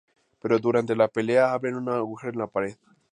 Pero durante la pelea, abren un agujero en la pared.